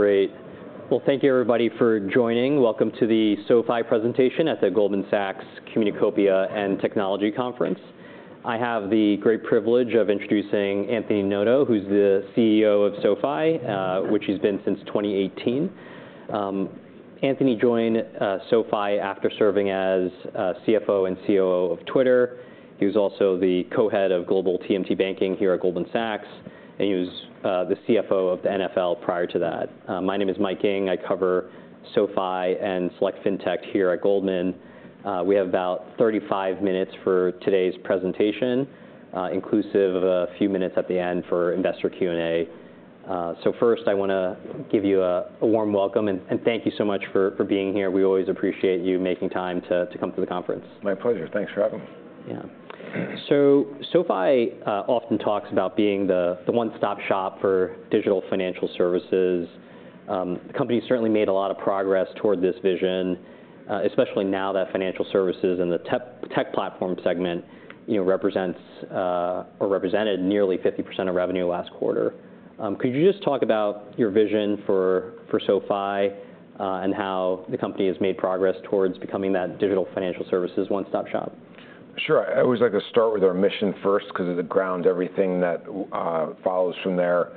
Great! Well, thank you everybody for joining. Welcome to the SoFi presentation at the Goldman Sachs Communacopia and Technology Conference. I have the great privilege of introducing Anthony Noto, who's the CEO of SoFi, which he's been since 2018. Anthony joined SoFi after serving as CFO and COO of Twitter. He was also the co-head of Global TMT Banking here at Goldman Sachs, and he was the CFO of the NFL prior to that. My name is Mike Ng. I cover SoFi and select Fintech here at Goldman. We have about 35 minutes for today's presentation, inclusive of a few minutes at the end for investor Q&A. So first, I want to give you a warm welcome, and thank you so much for being here. We always appreciate you making time to come to the conference. My pleasure. Thanks for having me. Yeah. SoFi often talks about being the one-stop shop for digital financial services. The company certainly made a lot of progress toward this vision, especially now that financial services and the tech platform segment, you know, represents or represented nearly 50% of revenue last quarter. Could you just talk about your vision for SoFi and how the company has made progress towards becoming that digital financial services one-stop shop? Sure. I always like to start with our mission first, because it grounds everything that follows from there.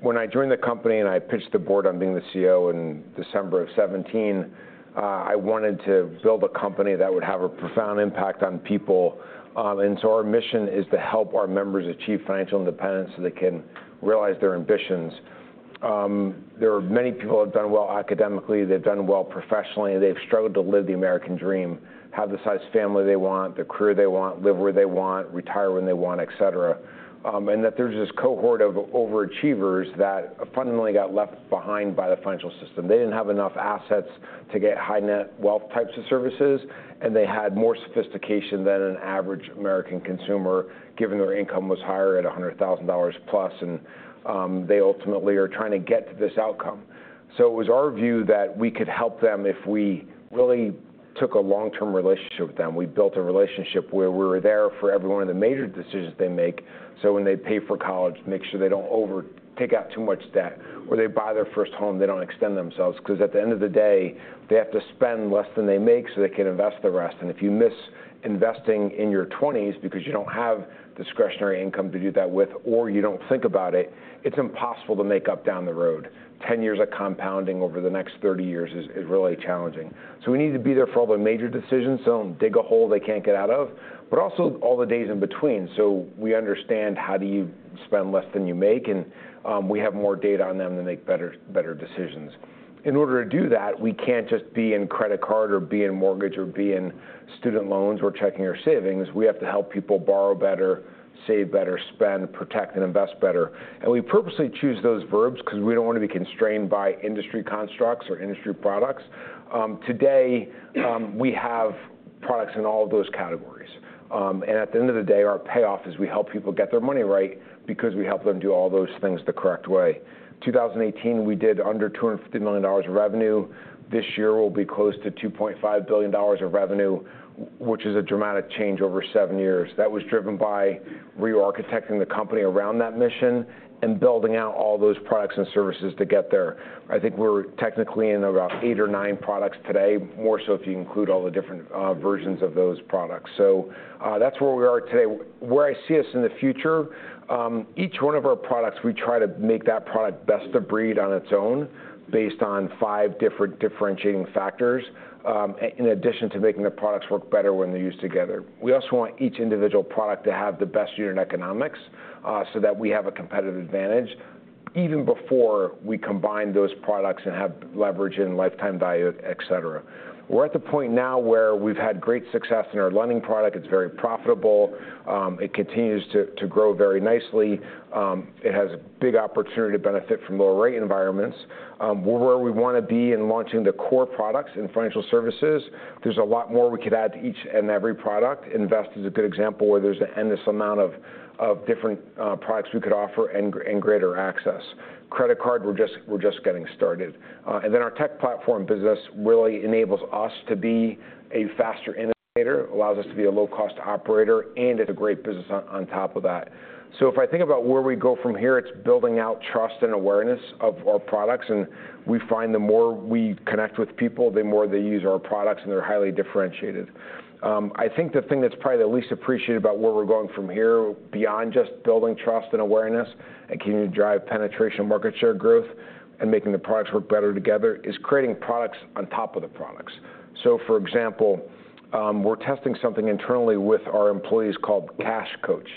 When I joined the company and I pitched the board on being the CEO in December of 2017, I wanted to build a company that would have a profound impact on people, and so our mission is to help our members achieve financial independence, so they can realize their ambitions. There are many people that have done well academically, they've done well professionally, they've struggled to live the American dream, have the size family they want, the career they want, live where they want, retire when they want, et cetera, and that there's this cohort of overachievers that fundamentally got left behind by the financial system. They didn't have enough assets to get high net wealth types of services, and they had more sophistication than an average American consumer, given their income was higher at $100,000+, and they ultimately are trying to get to this outcome. So it was our view that we could help them if we really took a long-term relationship with them. We built a relationship where we were there for every one of the major decisions they make, so when they pay for college, make sure they don't take out too much debt, or they buy their first home, they don't extend themselves, 'cause at the end of the day, they have to spend less than they make so they can invest the rest. If you miss investing in your 20s because you don't have discretionary income to do that with or you don't think about it, it's impossible to make up down the road. 10 years of compounding over the next 30 years is really challenging. We need to be there for all the major decisions, so don't dig a hole they can't get out of, but also all the days in between. We understand how do you spend less than you make, and we have more data on them to make better decisions. In order to do that, we can't just be in credit card or be in mortgage or be in student loans or checking and savings. We have to help people borrow better, save better, spend, protect, and invest better. And we purposely choose those verbs because we don't want to be constrained by industry constructs or industry products. Today, we have products in all of those categories. And at the end of the day, our payoff is we help people get their money right because we help them do all those things the correct way. In 2018, we did under $250 million of revenue. This year, we'll be close to $2.5 billion of revenue, which is a dramatic change over seven years. That was driven by re-architecting the company around that mission and building out all those products and services to get there. I think we're technically in about eight or nine products today, more so if you include all the different versions of those products. So, that's where we are today. Where I see us in the future, each one of our products, we try to make that product best of breed on its own, based on five different differentiating factors, in addition to making the products work better when they're used together. We also want each individual product to have the best unit economics, so that we have a competitive advantage even before we combine those products and have leverage and lifetime value, et cetera. We're at the point now where we've had great success in our lending product. It's very profitable. It continues to grow very nicely. It has a big opportunity to benefit from lower rate environments. We're where we want to be in launching the core products and financial services. There's a lot more we could add to each and every product. Invest is a good example, where there's an endless amount of different products we could offer and greater access. Credit card, we're just getting started. And then our tech platform business really enables us to be a faster innovator, allows us to be a low-cost operator, and it's a great business on top of that. So if I think about where we go from here, it's building out trust and awareness of our products, and we find the more we connect with people, the more they use our products, and they're highly differentiated. I think the thing that's probably the least appreciated about where we're going from here, beyond just building trust and awareness, and continuing to drive penetration and market share growth, and making the products work better together, is creating products on top of the products. For example, we're testing something internally with our employees called Cash Coach.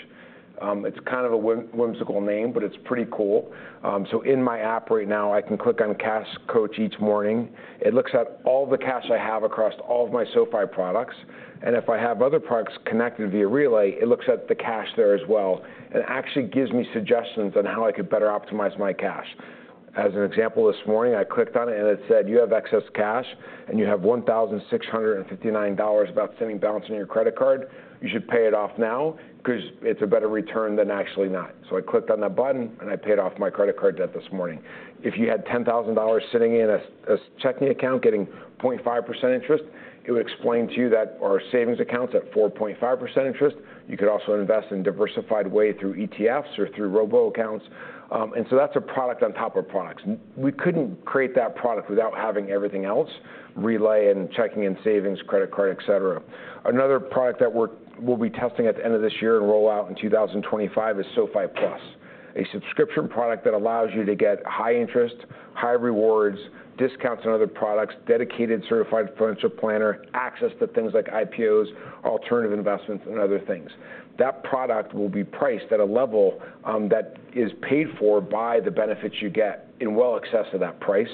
It's kind of a whimsical name, but it's pretty cool. In my app right now, I can click on Cash Coach each morning. It looks at all the cash I have across all of my SoFi products, and if I have other products connected via Relay, it looks at the cash there as well, and actually gives me suggestions on how I could better optimize my cash. As an example, this morning, I clicked on it, and it said, "You have excess cash, and you have $1,659 outstanding balance on your credit card. You should pay it off now because it's a better return than actually not." I clicked on that button, and I paid off my credit card debt this morning. If you had $10,000 sitting in a checking account, getting 0.5% interest, it would explain to you that our savings account's at 4.5% interest. You could also invest in diversified way through ETFs or through robo accounts. And so that's a product on top of products. We couldn't create that product without having everything else, Relay and checking and savings, credit card, et cetera. Another product that we'll be testing at the end of this year and roll out in 2025 is SoFi Plus, a subscription product that allows you to get high interest, high rewards, discounts on other products, dedicated certified financial planner, access to things like IPOs, alternative investments, and other things. That product will be priced at a level, that is paid for by the benefits you get in well excess of that price.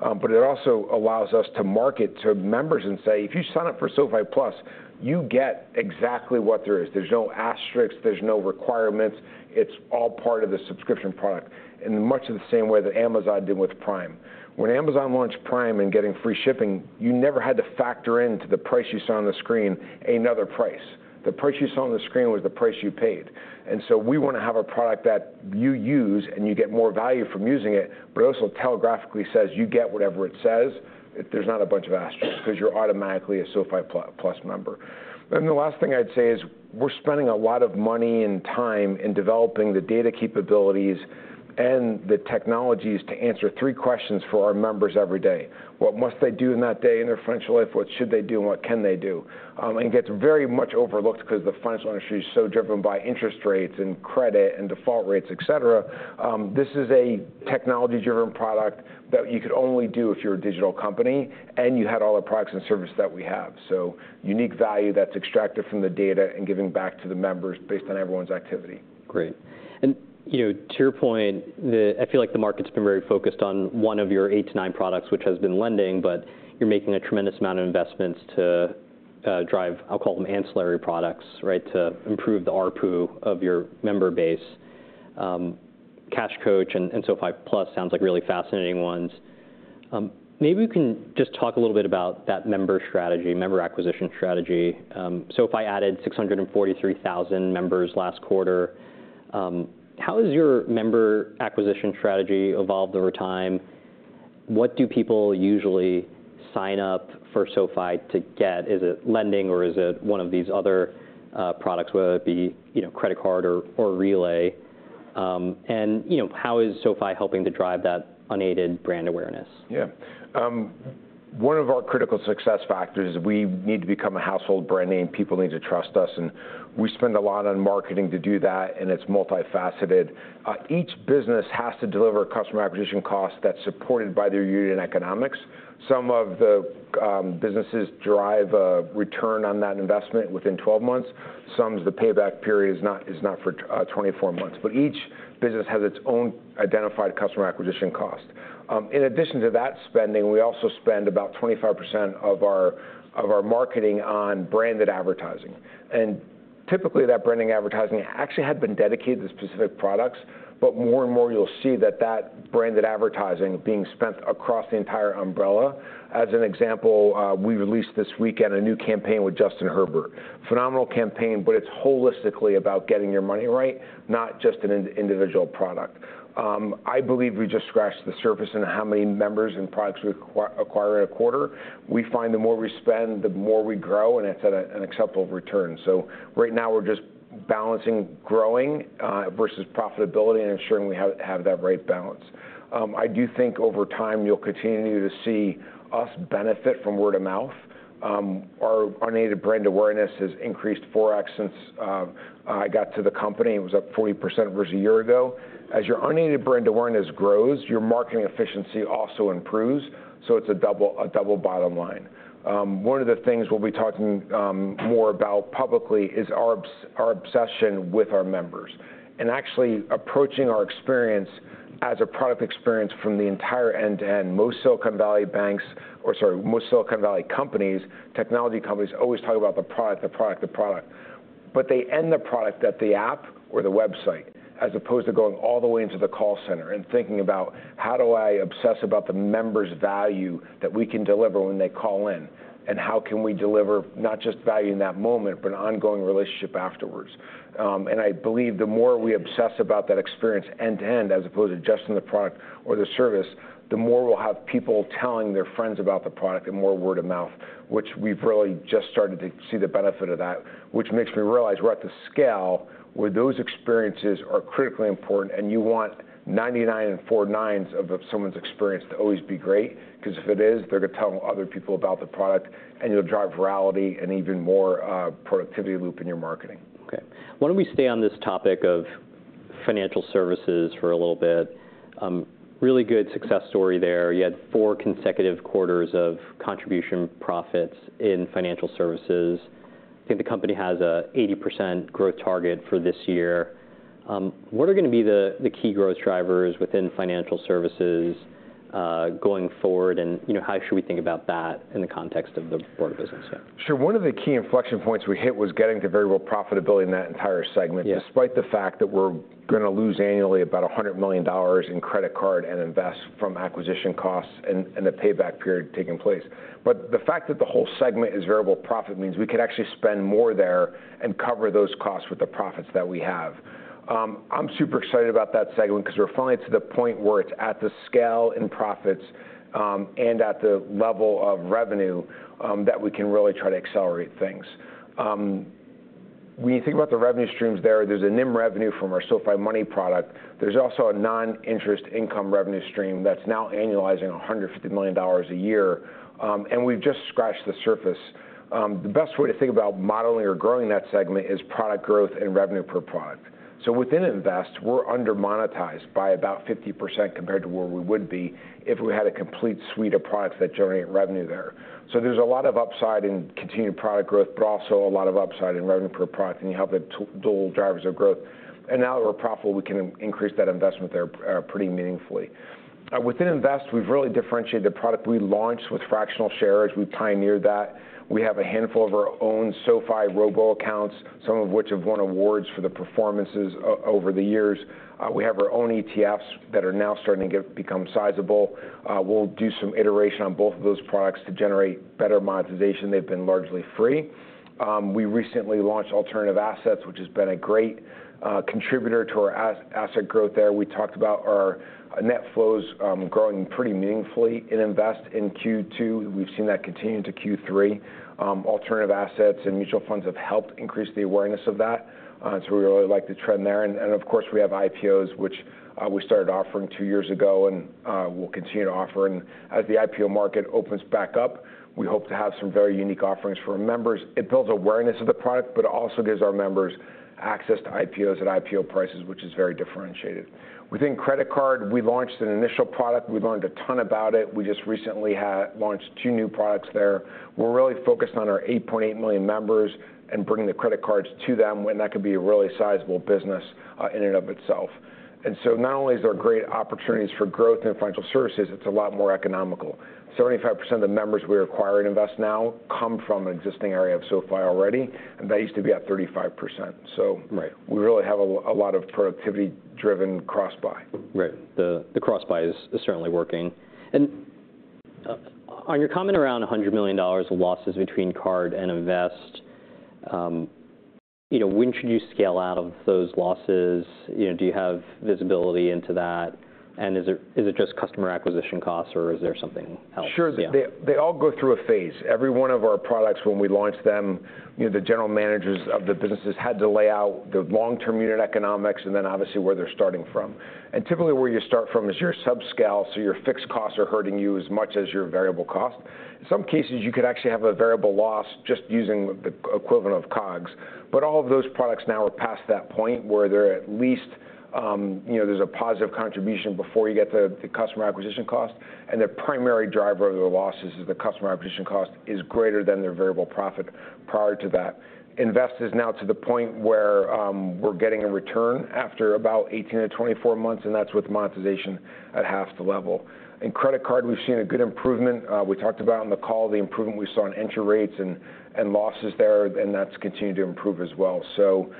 But it also allows us to market to members and say, "If you sign up for SoFi Plus, you get exactly what there is. There's no asterisks, there's no requirements. It's all part of the subscription product," in much of the same way that Amazon did with Prime. When Amazon launched Prime and getting free shipping, you never had to factor into the price you saw on the screen another price. The price you saw on the screen was the price you paid. And so we wanna have a product that you use, and you get more value from using it, but it also telegraphically says you get whatever it says. There's not a bunch of asterisks, 'cause you're automatically a SoFi Plus member. Then the last thing I'd say is, we're spending a lot of money and time in developing the data capabilities and the technologies to answer three questions for our members every day: What must they do in that day in their financial life? What should they do, and what can they do? And it gets very much overlooked 'cause the financial industry is so driven by interest rates and credit and default rates, et cetera. This is a technology-driven product that you could only do if you're a digital company, and you had all the products and services that we have. Unique value that's extracted from the data and giving back to the members based on everyone's activity. Great. And, you know, to your point, I feel like the market's been very focused on one of your eight to nine products, which has been lending, but you're making a tremendous amount of investments to drive, I'll call them ancillary products, right, to improve the ARPU of your member base. Cash Coach and SoFi Plus sounds like really fascinating ones. Maybe you can just talk a little bit about that member strategy, member acquisition strategy. SoFi added 643,000 members last quarter. How has your member acquisition strategy evolved over time? What do people usually sign up for SoFi to get? Is it lending, or is it one of these other products, whether it be, you know, credit card or Relay? And, you know, how is SoFi helping to drive that unaided brand awareness? Yeah. One of our critical success factors is we need to become a household brand name. People need to trust us, and we spend a lot on marketing to do that, and it's multifaceted. Each business has to deliver a customer acquisition cost that's supported by their unit economics. Some of the businesses drive a return on that investment within 12 months. Some, the payback period is not for 24 months. But each business has its own identified customer acquisition cost. In addition to that spending, we also spend about 25% of our marketing on branded advertising. And typically, that branding advertising actually had been dedicated to specific products, but more and more, you'll see that branded advertising being spent across the entire umbrella. As an example, we released this weekend a new campaign with Justin Herbert. Phenomenal campaign, but it's holistically about getting your money right, not just an individual product. I believe we just scratched the surface in how many members and products we acquire in a quarter. We find the more we spend, the more we grow, and it's at an acceptable return. So right now, we're just balancing growing versus profitability and ensuring we have that right balance. I do think over time you'll continue to see us benefit from word of mouth. Our unaided brand awareness has increased 4x since I got to the company. It was up 40% versus a year ago. As your unaided brand awareness grows, your marketing efficiency also improves, so it's a double bottom line. One of the things we'll be talking more about publicly is our obsession with our members, and actually approaching our experience as a product experience from the entire end-to-end. Most Silicon Valley banks or sorry, most Silicon Valley companies, technology companies, always talk about the product, the product, the product. But they end the product at the app or the website, as opposed to going all the way into the call center and thinking about, "How do I obsess about the member's value that we can deliver when they call in? And how can we deliver not just value in that moment, but an ongoing relationship afterwards?" And I believe the more we obsess about that experience end-to-end, as opposed to just in the product or the service, the more we'll have people telling their friends about the product and more word of mouth, which we've really just started to see the benefit of that, which makes me realize we're at the scale where those experiences are critically important, and you want 99 and four nines of someone's experience to always be great. 'Cause if it is, they're gonna tell other people about the product, and you'll drive virality and even more, productivity loop in your marketing. Okay. Why don't we stay on this topic of financial services for a little bit? Really good success story there. You had four consecutive quarters of contribution profits in financial services. I think the company has an 80% growth target for this year. What are gonna be the key growth drivers within financial services going forward? And, you know, how should we think about that in the context of the broader business here? Sure. One of the key inflection points we hit was getting to variable profitability in that entire segment- Yeah... despite the fact that we're gonna lose annually about $100 million in credit card and Invest from acquisition costs and, and the payback period taking place, but the fact that the whole segment is variable profit means we could actually spend more there and cover those costs with the profits that we have. I'm super excited about that segment 'cause we're finally to the point where it's at the scale in profits, and at the level of revenue, that we can really try to accelerate things. When you think about the revenue streams there, there's a NIM revenue from our SoFi Money product. There's also a non-interest income revenue stream that's now annualizing $150 million a year, and we've just scratched the surface. The best way to think about modeling or growing that segment is product growth and revenue per product. So within Invest, we're under-monetized by about 50% compared to where we would be if we had a complete suite of products that generate revenue there. So there's a lot of upside in continued product growth, but also a lot of upside in revenue per product, and you have the dual drivers of growth. And now that we're profitable, we can increase that investment there pretty meaningfully. Within Invest, we've really differentiated the product. We launched with fractional shares. We pioneered that. We have a handful of our own SoFi robo accounts, some of which have won awards for the performances over the years. We have our own ETFs that are now starting to become sizable. We'll do some iteration on both of those products to generate better monetization. They've been largely free. We recently launched alternative assets, which has been a great contributor to our asset growth there. We talked about our net flows growing pretty meaningfully in Invest in Q2. We've seen that continue into Q3. Alternative assets and mutual funds have helped increase the awareness of that, so we really like the trend there. And of course, we have IPOs, which we started offering two years ago, and we'll continue to offer. And as the IPO market opens back up, we hope to have some very unique offerings for our members. It builds awareness of the product, but it also gives our members access to IPOs at IPO prices, which is very differentiated. Within credit card, we launched an initial product. We've learned a ton about it. We just recently had launched two new products there. We're really focused on our 8.8 million members and bringing the credit cards to them, when that could be a really sizable business in and of itself. And so not only is there great opportunities for growth in financial services, it's a lot more economical. 75% of the members we acquire in Invest now come from an existing area of SoFi already, and that used to be at 35%. So- Right. We really have a lot of productivity-driven cross-buy. Right. The cross-buy is certainly working. And on your comment around $100 million of losses between card and Invest, you know, when should you scale out of those losses? You know, do you have visibility into that? And is it just customer acquisition costs, or is there something else? Sure. Yeah. They all go through a phase. Every one of our products, when we launch them, you know, the general managers of the businesses had to lay out the long-term unit economics and then obviously, where they're starting from. And typically, where you start from is your subscale, so your fixed costs are hurting you as much as your variable cost. In some cases, you could actually have a variable loss just using the equivalent of COGS. But all of those products now are past that point, where they're at least, you know, there's a positive contribution before you get to the customer acquisition cost, and the primary driver of the losses is the customer acquisition cost is greater than their variable profit prior to that. Invest is now to the point where, we're getting a return after about 18 to 24 months, and that's with monetization at half the level. In credit card, we've seen a good improvement. We talked about on the call, the improvement we saw in entry rates and losses there, and that's continued to improve as well. So,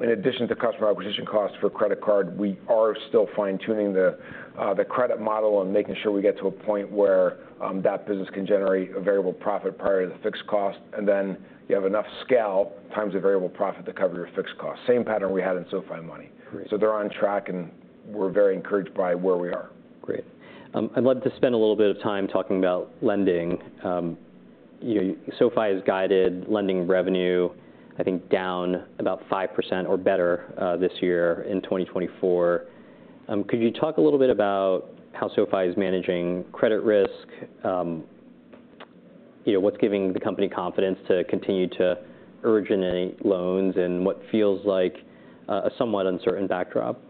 in addition to customer acquisition costs for credit card, we are still fine-tuning the credit model and making sure we get to a point where, that business can generate a variable profit prior to the fixed cost. And then you have enough scale times the variable profit to cover your fixed cost. Same pattern we had in SoFi Money. Great. So they're on track, and we're very encouraged by where we are. Great. I'd love to spend a little bit of time talking about lending. You know, SoFi has guided lending revenue, I think, down about 5% or better, this year in 2024. Could you talk a little bit about how SoFi is managing credit risk? You know, what's giving the company confidence to continue to originate loans in what feels like, a somewhat uncertain backdrop?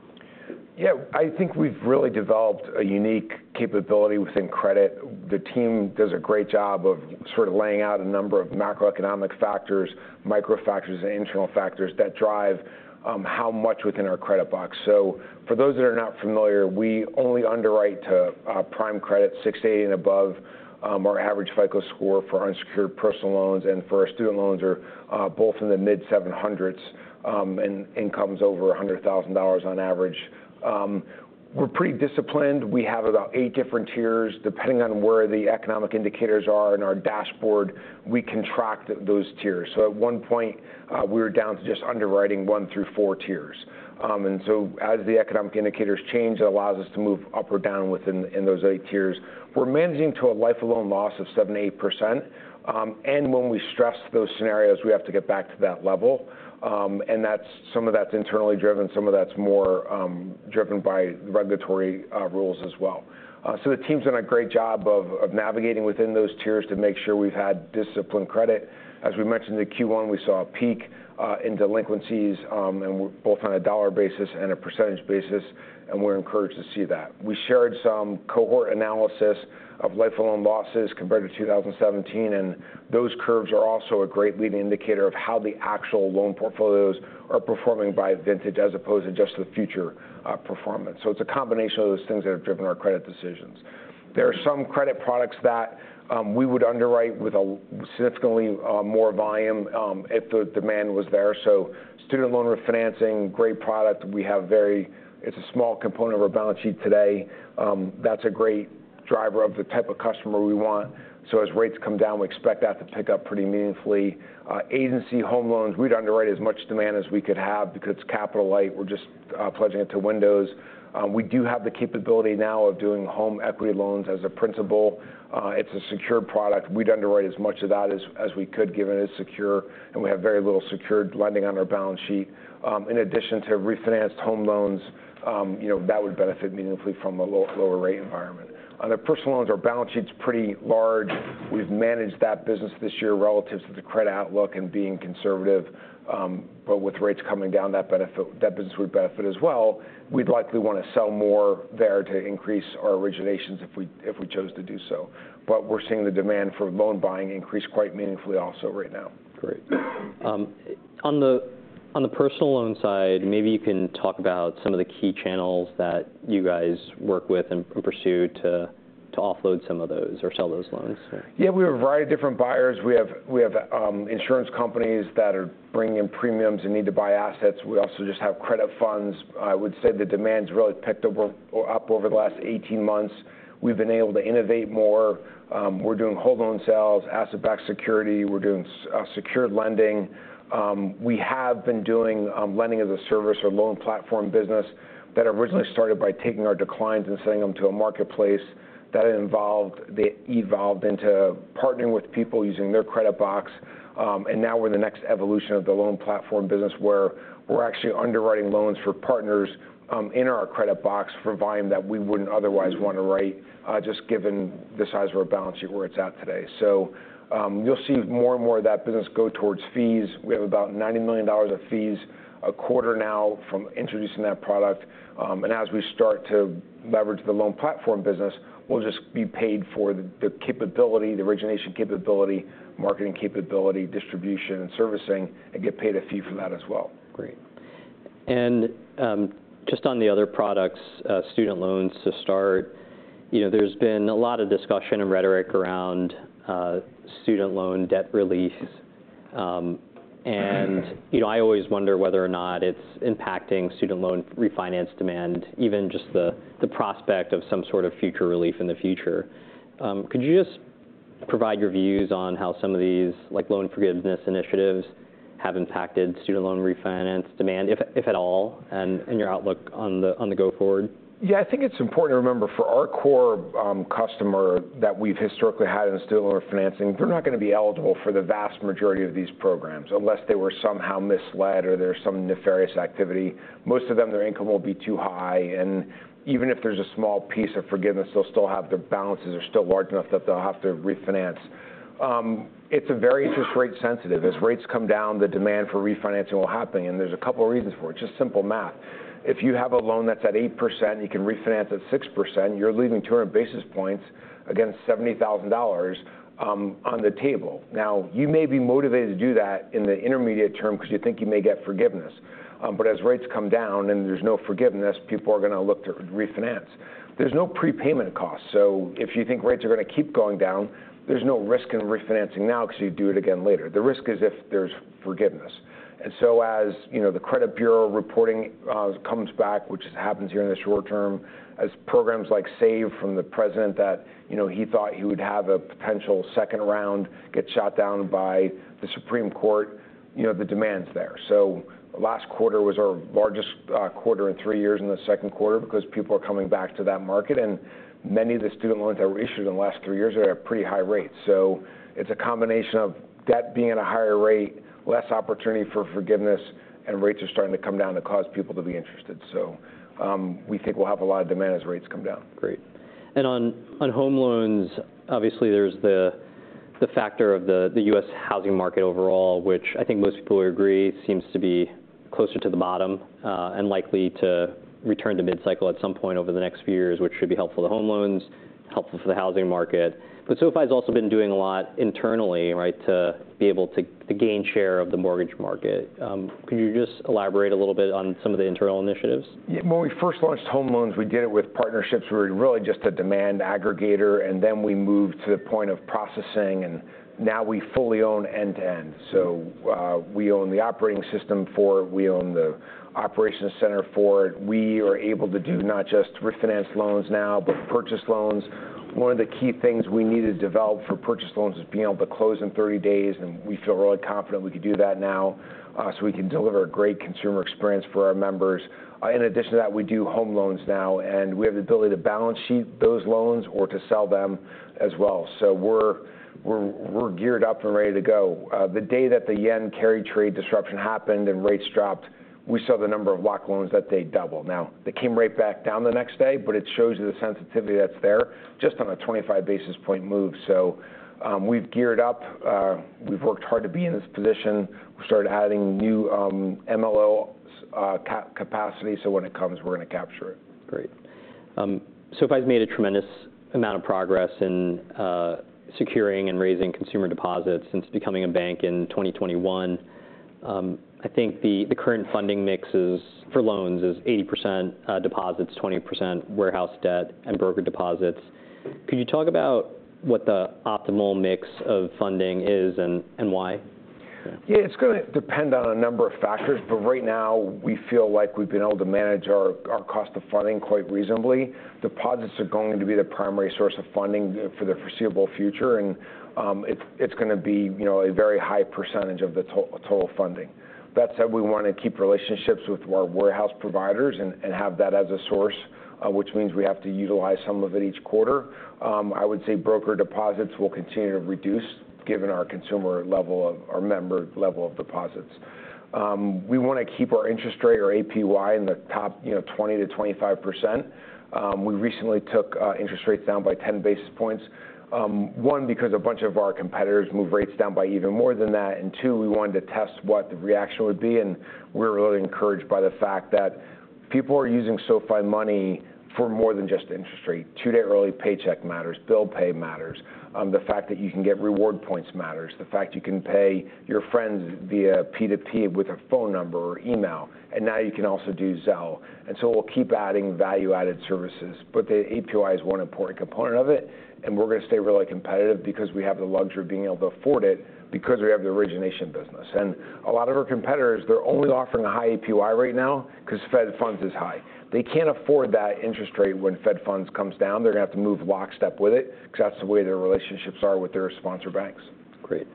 Yeah. I think we've really developed a unique capability within credit. The team does a great job of sort of laying out a number of macroeconomic factors, micro factors, and internal factors that drive how much within our credit box. So for those that are not familiar, we only underwrite to prime credit, six to eight and above. Our average FICO score for unsecured personal loans and for our student loans are both in the mid-seven hundreds, and income's over $100,000 on average. We're pretty disciplined. We have about eight different tiers. Depending on where the economic indicators are in our dashboard, we contract those tiers. So at one point, we were down to just underwriting one through four tiers. And so as the economic indicators change, it allows us to move up or down within those eight tiers. We're managing to a life of loan loss of 7%-8%, and when we stress those scenarios, we have to get back to that level. And that's some of that's internally driven, some of that's more driven by regulatory rules as well. So the team's done a great job of navigating within those tiers to make sure we've had disciplined credit. As we mentioned in Q1, we saw a peak in delinquencies, and we're both on a dollar basis and a percentage basis, and we're encouraged to see that. We shared some cohort analysis of life loan losses compared to 2017, and those curves are also a great leading indicator of how the actual loan portfolios are performing by vintage, as opposed to just the future performance. It's a combination of those things that have driven our credit decisions. There are some credit products that we would underwrite with a significantly more volume if the demand was there. So student loan refinancing, great product. It's a small component of our balance sheet today. That's a great driver of the type of customer we want. So as rates come down, we expect that to pick up pretty meaningfully. Agency home loans, we'd underwrite as much demand as we could have because it's capital light. We're just pledging it to windows. We do have the capability now of doing home equity loans as a principal. It's a secured product. We'd underwrite as much of that as we could, given it's secure, and we have very little secured lending on our balance sheet. In addition to refinanced home loans, you know, that would benefit meaningfully from a lower rate environment. On the personal loans, our balance sheet's pretty large. We've managed that business this year relative to the credit outlook and being conservative, but with rates coming down, that business would benefit as well. We'd likely want to sell more there to increase our originations if we chose to do so, but we're seeing the demand for loan buying increase quite meaningfully also right now. Great. On the personal loan side, maybe you can talk about some of the key channels that you guys work with and pursue to offload some of those or sell those loans. Yeah, we have a variety of different buyers. We have insurance companies that are bringing in premiums and need to buy assets. We also just have credit funds. I would say the demand's really picked up over the last 18 months. We've been able to innovate more. We're doing whole loan sales, asset-backed security. We're doing secured lending. We have been doing lending as a service or loan platform business that originally started by taking our declines and selling them to a marketplace. It evolved into partnering with people using their credit box. Now we're the next evolution of the loan platform business, where we're actually underwriting loans for partners in our credit box for volume that we wouldn't otherwise want to write just given the size of our balance sheet, where it's at today. You'll see more and more of that business go towards fees. We have about $90 million of fees a quarter now from introducing that product. As we start to leverage the loan platform business, we'll just be paid for the capability, the origination capability, marketing capability, distribution, and servicing, and get paid a fee for that as well. Great. And, just on the other products, student loans to start, you know, there's been a lot of discussion and rhetoric around, student loan debt relief. And, you know, I always wonder whether or not it's impacting student loan refinance demand, even just the prospect of some sort of future relief in the future. Could you just provide your views on how some of these, like, loan forgiveness initiatives have impacted student loan refinance demand, if at all, and your outlook on the go forward? Yeah. I think it's important to remember, for our core customer that we've historically had in student loan refinancing, they're not going to be eligible for the vast majority of these programs, unless they were somehow misled or there's some nefarious activity. Most of them, their income will be too high, and even if there's a small piece of forgiveness, they'll still have their balances are still large enough that they'll have to refinance. It's very interest rate-sensitive. As rates come down, the demand for refinancing will happen, and there's a couple of reasons for it. Just simple math. If you have a loan that's at 8%, you can refinance at 6%, you're leaving 200 basis points against $70,000 on the table. Now, you may be motivated to do that in the intermediate term because you think you may get forgiveness. But as rates come down and there's no forgiveness, people are going to look to refinance. There's no prepayment cost, so if you think rates are going to keep going down, there's no risk in refinancing now because you do it again later. The risk is if there's forgiveness. And so as, you know, the credit bureau reporting comes back, which happens here in the short term, as programs like SAVE from the president that, you know, he thought he would have a potential second round get shot down by the Supreme Court, you know, the demand's there. So last quarter was our largest quarter in three years in the second quarter because people are coming back to that market, and many of the student loans that were issued in the last three years are at pretty high rates. So it's a combination of debt being at a higher rate, less opportunity for forgiveness, and rates are starting to come down to cause people to be interested. So, we think we'll have a lot of demand as rates come down. Great. And on home loans, obviously, there's the factor of the U.S. housing market overall, which I think most people would agree, seems to be closer to the bottom, and likely to return to mid-cycle at some point over the next few years, which should be helpful to home loans, helpful for the housing market. But SoFi's also been doing a lot internally, right, to be able to gain share of the mortgage market. Could you just elaborate a little bit on some of the internal initiatives? Yeah. When we first launched home loans, we did it with partnerships. We were really just a demand aggregator, and then we moved to the point of processing, and now we fully own end-to-end, so we own the operating system for it, we own the operations center for it. We are able to do not just refinance loans now, but purchase loans. One of the key things we need to develop for purchase loans is being able to close in 30 days, and we feel really confident we can do that now, so we can deliver a great consumer experience for our members. In addition to that, we do home loans now, and we have the ability to balance sheet those loans or to sell them as well, so we're geared up and ready to go. The day that the yen carry trade disruption happened and rates dropped, we saw the number of lock loans that day double. Now, they came right back down the next day, but it shows you the sensitivity that's there, just on a 25 basis point move. So, we've geared up. We've worked hard to be in this position. We started adding new, MLO, capacity, so when it comes, we're going to capture it. Great. SoFi's made a tremendous amount of progress in securing and raising consumer deposits since becoming a bank in 2021. I think the current funding mix for loans is 80% deposits, 20% warehouse debt and broker deposits. Could you talk about what the optimal mix of funding is and why? Yeah, it's gonna depend on a number of factors, but right now, we feel like we've been able to manage our cost of funding quite reasonably. Deposits are going to be the primary source of funding for the foreseeable future, and it's gonna be, you know, a very high percentage of the total funding. That said, we wanna keep relationships with more warehouse providers and have that as a source, which means we have to utilize some of it each quarter. I would say broker deposits will continue to reduce, given our member level of deposits. We wanna keep our interest rate or APY in the top, you know, 20%-25%. We recently took interest rates down by 10 basis points. One, because a bunch of our competitors moved rates down by even more than that, and two, we wanted to test what the reaction would be, and we're really encouraged by the fact that people are using SoFi Money for more than just interest rate. Two-day early paycheck matters, bill pay matters, the fact that you can get reward points matters, the fact you can pay your friends via P2P with a phone number or email, and now you can also do Zelle. And so we'll keep adding value-added services. But the APY is one important component of it, and we're gonna stay really competitive because we have the luxury of being able to afford it because we have the origination business. And a lot of our competitors, they're only offering a high APY right now because Fed funds is high. They can't afford that interest rate when Fed funds comes down. They're gonna have to move lockstep with it because that's the way their relationships are with their sponsor banks. Great.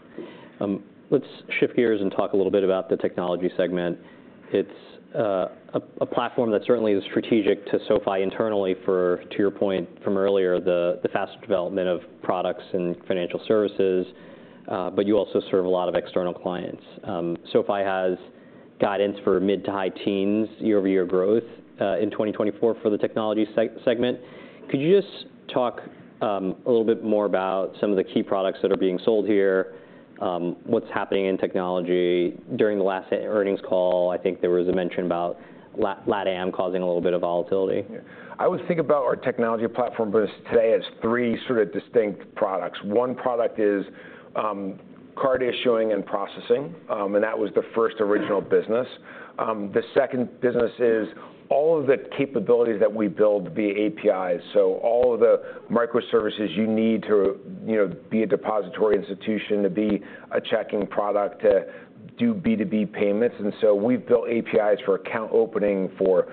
Let's shift gears and talk a little bit about the technology segment. It's a platform that certainly is strategic to SoFi internally for, to your point from earlier, the faster development of products and financial services, but you also serve a lot of external clients. SoFi has guidance for mid to high teens year-over-year growth in 2024 for the technology segment. Could you just talk a little bit more about some of the key products that are being sold here, what's happening in technology? During the last earnings call, I think there was a mention about LatAm causing a little bit of volatility. I would think about our technology platform business today as three sort of distinct products. One product is card issuing and processing, and that was the first original business. The second business is all of the capabilities that we build via APIs, so all of the microservices you need to, you know, be a depository institution, to be a checking product, to do B2B payments, and so we've built APIs for account opening, for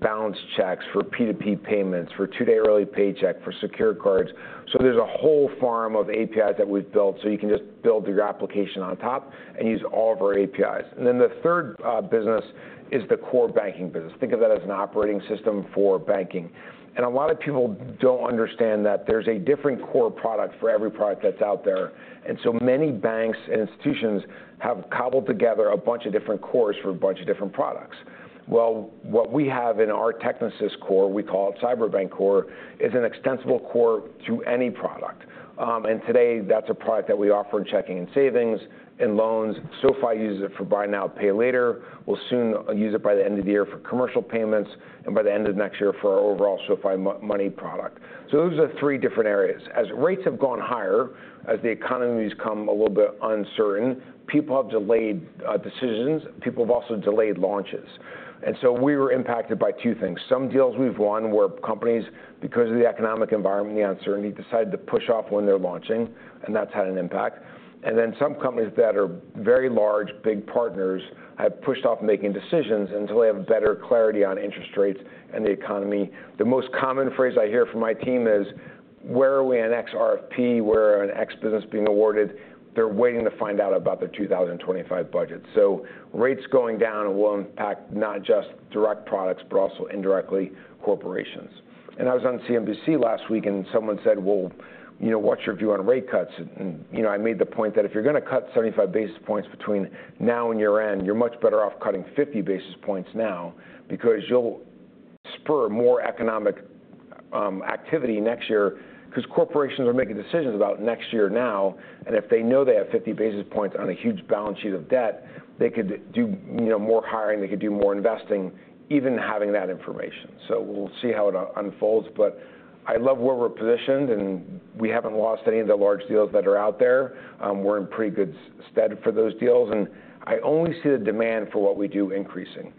balance checks, for P2P payments, for two-day early paycheck, for secure cards, so there's a whole farm of APIs that we've built, so you can just build your application on top and use all of our APIs, and then the third business is the core banking business. Think of that as an operating system for banking. A lot of people don't understand that there's a different core product for every product that's out there, and so many banks and institutions have cobbled together a bunch of different cores for a bunch of different products. Well, what we have in our Technisys Core, we call it Cyberbank Core, is an extensible core to any product. And today, that's a product that we offer in checking and savings and loans. SoFi uses it for buy now, pay later. We'll soon use it by the end of the year for commercial payments and by the end of next year for our overall SoFi Money product. So those are the three different areas. As rates have gone higher, as the economy's become a little bit uncertain, people have delayed decisions. People have also delayed launches, and so we were impacted by two things. Some deals we've won where companies, because of the economic environment uncertainty, decided to push off when they're launching, and that's had an impact. And then some companies that are very large, big partners, have pushed off making decisions until they have better clarity on interest rates and the economy. The most common phrase I hear from my team is: Where are we in X RFP? Where are an X business being awarded? They're waiting to find out about their 2025 budget. So rates going down will impact not just direct products, but also indirectly, corporations. And I was on CNBC last week, and someone said, "Well, you know, what's your view on rate cuts?" And, you know, I made the point that if you're gonna cut 75 basis points between now and year-end, you're much better off cutting 50 basis points now, because you'll spur more economic activity next year, because corporations are making decisions about next year now, and if they know they have 50 basis points on a huge balance sheet of debt, they could do, you know, more hiring, they could do more investing, even having that information. So we'll see how it unfolds, but I love where we're positioned, and we haven't lost any of the large deals that are out there. We're in pretty good stead for those deals, and I only see the demand for what we do increasing.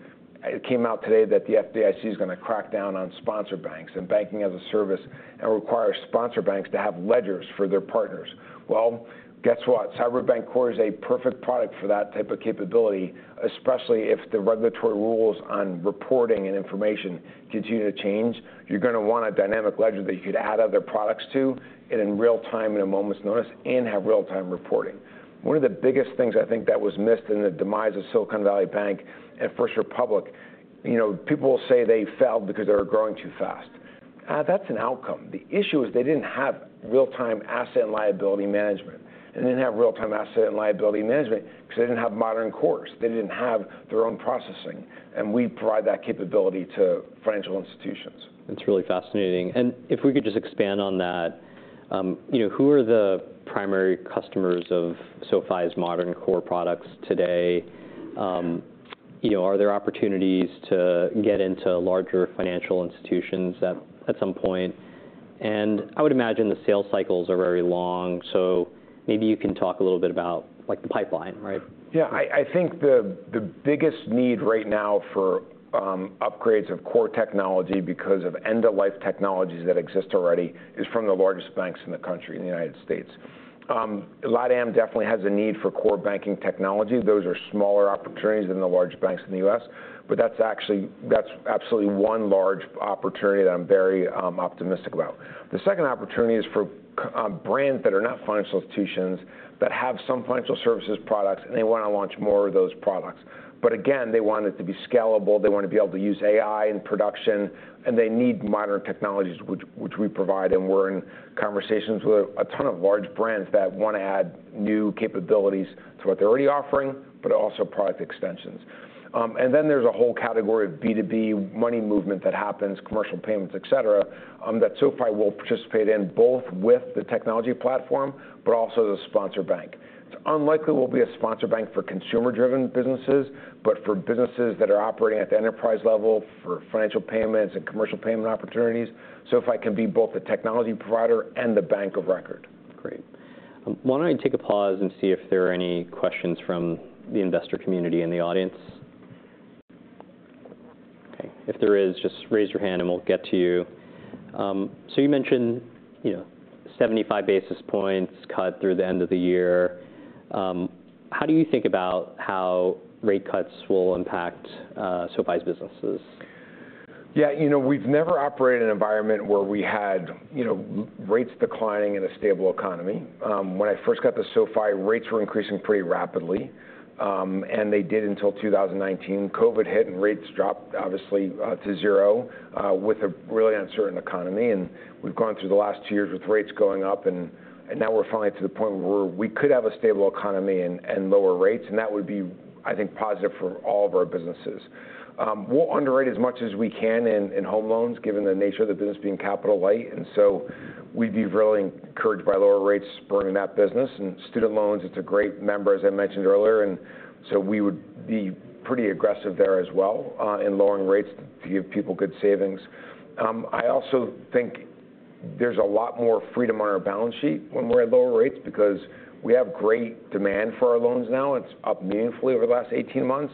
It came out today that the FDIC is gonna crack down on sponsor banks and banking as a service and require sponsor banks to have ledgers for their partners. Well, guess what? Cyberbank Core is a perfect product for that type of capability, especially if the regulatory rules on reporting and information continue to change. You're gonna want a dynamic ledger that you could add other products to, and in real time and a moment's notice, and have real-time reporting. One of the biggest things I think that was missed in the demise of Silicon Valley Bank and First Republic, you know, people will say they failed because they were growing too fast. That's an outcome. The issue is they didn't have real-time asset and liability management. They didn't have real-time asset and liability management because they didn't have modern cores. They didn't have their own processing, and we provide that capability to financial institutions. It's really fascinating. And if we could just expand on that, you know, who are the primary customers of SoFi's modern core products today? You know, are there opportunities to get into larger financial institutions at some point? And I would imagine the sales cycles are very long, so maybe you can talk a little bit about, like, the pipeline, right? Yeah, I think the biggest need right now for upgrades of core technology because of end-of-life technologies that exist already is from the largest banks in the country, in the United States. LatAm definitely has a need for core banking technology. Those are smaller opportunities than the large banks in the U.S., but that's actually, that's absolutely one large opportunity that I'm very optimistic about. The second opportunity is for brands that are not financial institutions, that have some financial services products, and they wanna launch more of those products. But again, they want it to be scalable. They want to be able to use AI in production, and they need modern technologies, which we provide, and we're in conversations with a ton of large brands that wanna add new capabilities to what they're already offering, but also product extensions. And then there's a whole category of B2B money movement that happens, commercial payments, et cetera, that SoFi will participate in, both with the technology platform, but also the sponsor bank. It's unlikely we'll be a sponsor bank for consumer-driven businesses, but for businesses that are operating at the enterprise level for financial payments and commercial payment opportunities, SoFi can be both the technology provider and the bank of record. Great. Why don't I take a pause and see if there are any questions from the investor community in the audience? Okay, if there is, just raise your hand and we'll get to you, so you mentioned, you know, seventy-five basis points cut through the end of the year. How do you think about how rate cuts will impact SoFi's businesses? Yeah, you know, we've never operated in an environment where we had rates declining in a stable economy. When I first got to SoFi, rates were increasing pretty rapidly, and they did until 2019. COVID hit, and rates dropped, obviously, to zero with a really uncertain economy, and we've gone through the last two years with rates going up, and now we're finally to the point where we could have a stable economy and lower rates, and that would be, I think, positive for all of our businesses. We'll underwrite as much as we can in home loans, given the nature of the business being capital light, and so we'd be really encouraged by lower rates spurring that business. And student loans, it's a great member, as I mentioned earlier, and so we would be pretty aggressive there as well in lowering rates to give people good savings. I also think there's a lot more freedom on our balance sheet when we're at lower rates, because we have great demand for our loans now. It's up meaningfully over the last eighteen months.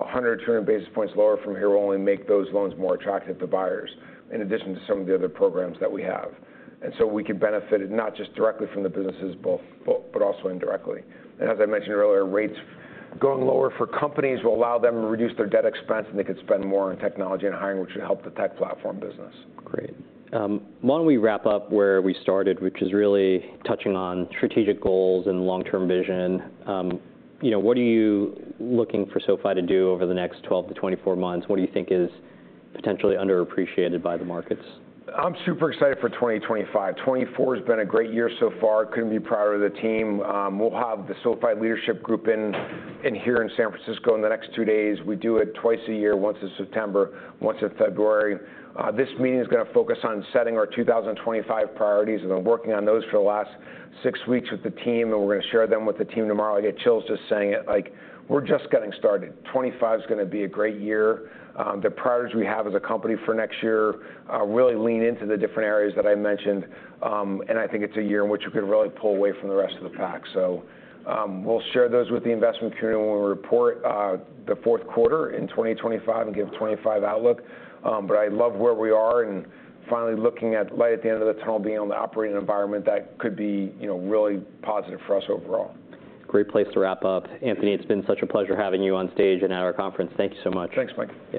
100-200 basis points lower from here will only make those loans more attractive to buyers, in addition to some of the other programs that we have. And so we could benefit not just directly from the businesses but also indirectly. And as I mentioned earlier, rates going lower for companies will allow them to reduce their debt expense, and they could spend more on technology and hiring, which would help the tech platform business. Great. Why don't we wrap up where we started, which is really touching on strategic goals and long-term vision. You know, what are you looking for SoFi to do over the next 12 to 24 months? What do you think is potentially underappreciated by the markets? I'm super excited for 2025. 2024 has been a great year so far. Couldn't be prouder of the team. We'll have the SoFi leadership group in here in San Francisco in the next two days. We do it twice a year, once in September, once in February. This meeting is gonna focus on setting our 2025 priorities, and I'm working on those for the last six weeks with the team, and we're gonna share them with the team tomorrow. I get chills just saying it. Like, we're just getting started. 2025 is gonna be a great year. The priorities we have as a company for next year really lean into the different areas that I mentioned, and I think it's a year in which we could really pull away from the rest of the pack. So, we'll share those with the investment community when we report the fourth quarter in 2025 and give 2025 outlook. But I love where we are, and finally looking at light at the end of the tunnel, being able to operate in an environment that could be, you know, really positive for us overall. Great place to wrap up. Anthony, it's been such a pleasure having you on stage and at our conference. Thank you so much. Thanks, Mike.